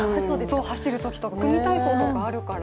走るときとか、組体操とかあったので。